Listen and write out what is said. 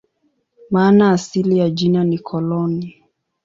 Maana asili ya jina ni "koloni".